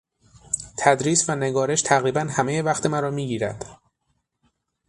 تدریس و نگارش تقریبا همهی وقت مرا میگیرد.